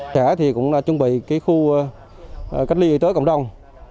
chúng ta cũng chuẩn bị khu cách ly tới cộng đồng